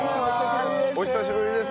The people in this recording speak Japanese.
お久しぶりです。